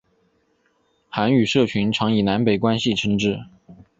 韩语社群常以南北关系称之。